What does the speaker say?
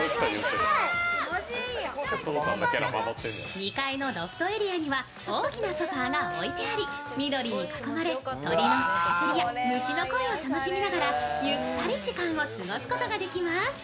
２階のロフトエリアには大きなソファーが置いてあり、緑に囲まれ、鳥のさえずりや虫の声を楽しみながらゆったり時間を過ごすことができます。